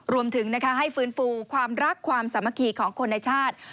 รวมถึงให้ฟื้นฟูความรักความสามัคคีของคนในชาติ